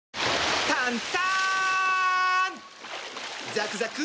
ザクザク！